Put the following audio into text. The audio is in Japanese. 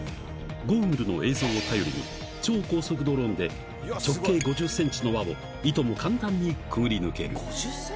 ゴーグルの映像を頼りに、超高速ドローンで、直径５０センチの輪を、いとも簡単にくぐり抜ける。